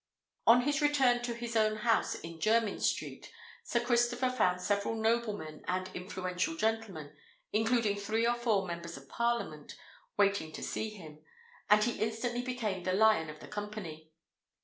On his return to his own house in Jermyn Street, Sir Christopher found several noblemen and influential gentlemen, including three or four Members of Parliament, waiting to see him; and he instantly became the lion of the company.